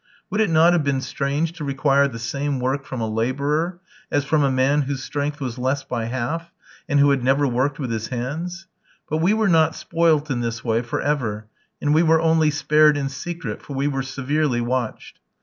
Would it not have been strange to require the same work from a labourer as from a man whose strength was less by half, and who had never worked with his hands? But we were not "spoilt" in this way for ever, and we were only spared in secret, for we were severely watched.